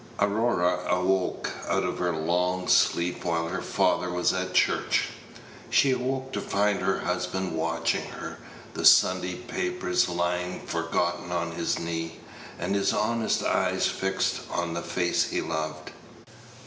Aurora awoke out of her long sleep while her father was at church. She awoke to find her husband watching her; the Sunday papers lying forgotten on his knee, and his honest eyes fixed on the face he loved.